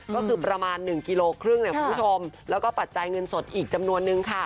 ก็คือประมาณ๑๕กิโลกรัมและปัจจัยเงินสดอีกจำนวนนึง